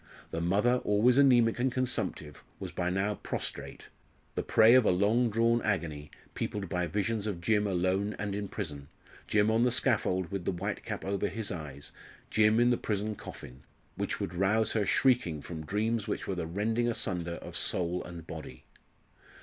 The mother, always anaemic and consumptive, was by now prostrate, the prey of a long drawn agony, peopled by visions of Jim alone and in prison Jim on the scaffold with the white cap over his eyes Jim in the prison coffin which would rouse her shrieking from dreams which were the rending asunder of soul and body.